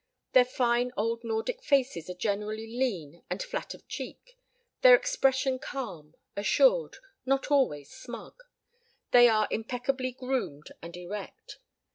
Their fine old Nordic faces are generally lean and flat of cheek, their expression calm, assured, not always smug. They are impeccably groomed and erect.